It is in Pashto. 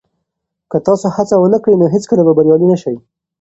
که تاسي هڅه ونه کړئ نو هیڅکله به بریالي نه شئ.